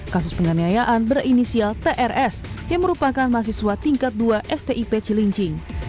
kasus penganiayaan berinisial trs yang merupakan mahasiswa tingkat dua stip cilincing